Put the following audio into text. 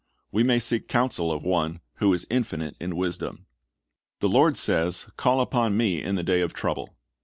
We may seek counsel of One who is infinite in wisdom. The Lord says, "Call upon Me in the day of trouble."